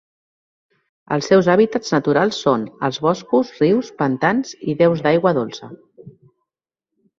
Els seus hàbitats naturals són els boscos, rius, pantans, i deus d'aigua dolça.